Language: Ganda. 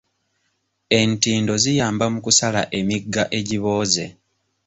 Entindo ziyamba mu kusala emigga egibooze.